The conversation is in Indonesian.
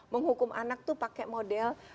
menghukum anak tuh pakai model